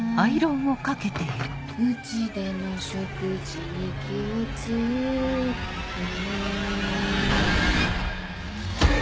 うちでの食事に気をつけて